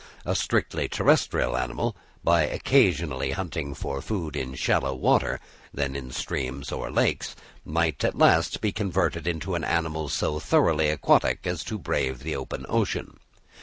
A strictly terrestrial animal, by occasionally hunting for food in shallow water, then in streams or lakes, might at last be converted into an animal so thoroughly aquatic as to brave the open ocean.